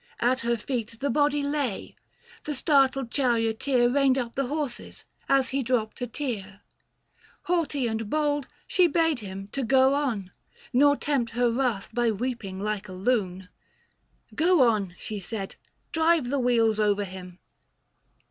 At her feet The body lay — the startled charioteer Reined up the horses, as he dropped a tear : Haughty and bold, she bade him to go on, Nor tempt her wrath by weeping like a loon — 735 "Go on," she said, "drive the wheels over him."